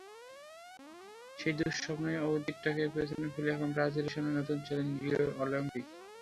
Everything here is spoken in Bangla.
সেই দুঃস্বপ্নের অতীতটাকে পেছনে ফেলে এখন ব্রাজিলের সামনে নতুন চ্যালেঞ্জ, রিও অলিম্পিক।